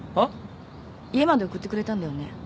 家まで送ってくれたんだよね。